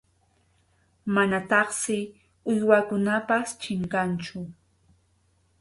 Manataqsi uywakunapas chinkanchu.